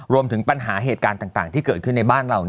รวมถึงปัญหาเหตุการณ์ต่างที่เกิดขึ้นในบ้านเรา